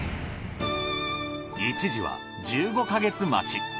一時は１５か月待ち。